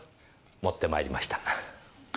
持ってまいりました。